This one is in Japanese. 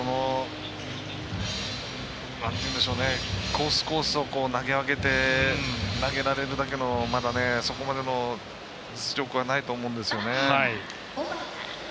コース、コースを投げ分けて投げられるだけのそこまでの実力はないと思うんですよね。